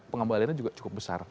pengambilannya juga cukup besar